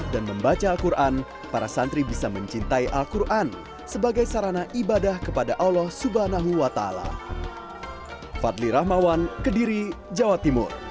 dan membaca al quran para santri bisa mencintai al quran sebagai sarana ibadah kepada allah swt